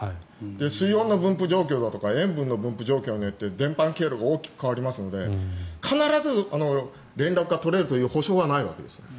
水温の分布状況とか塩分の分布状況で伝播経路が大きく変わるので必ず連絡が取れる保証はないわけです。